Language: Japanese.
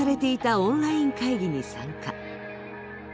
オンライン会議に参加。